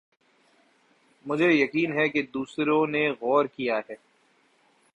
مجھے یقین ہے کہ دوسروں نے غور کِیا ہے